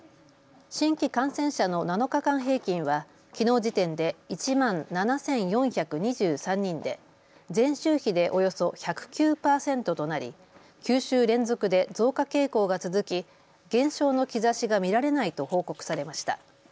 新規感染者の７日間平均はきのう時点で１万７４２３人で前週比でおよそ１０９％となり９週連続で増加傾向が続き減少の兆しが見られないと報告されました。